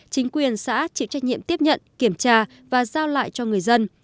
chính quyền xã chịu trách nhiệm tiếp nhận kiểm tra và giao lại cho người dân